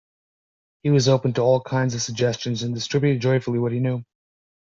He was open to all kinds of suggestions, and distributed joyfully what he knew.